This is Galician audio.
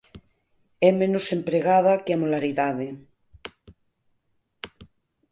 É menos empregada que a molaridade.